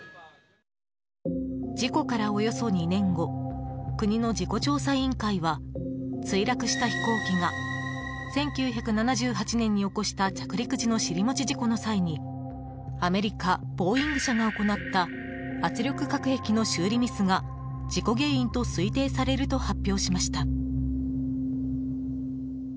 事故からおよそ２年後国の事故調査委員会は墜落した飛行機が１９７８年に起こした着陸時の尻餅事故の際にアメリカ、ボーイング社が行った圧力隔壁の修理ミスが事故原因と推定されると発表しました。